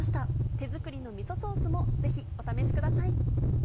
手作りのみそソースもぜひお試しください。